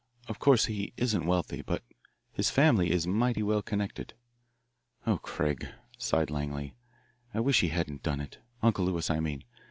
Of course he isn't wealthy, but his family is mighty well connected. Oh, Craig," sighed Langley, "I wish he hadn't done it Uncle Lewis, I mean.